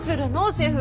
シェフ。